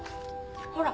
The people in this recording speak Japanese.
ほら。